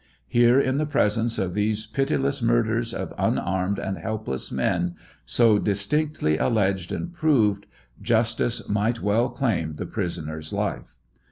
Here in the presence of these pitiless murders of unarmed and helpless men, so distinctly alleged and proved, justice might well claim the prisoner's life.